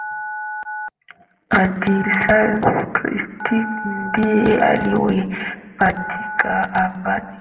radislav krstic ndiye aliyepatikana na hatia